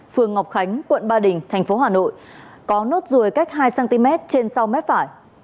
phường ngọc khánh quận ba đình tp hà nội có nốt ruồi cách hai cm trên sau mép phải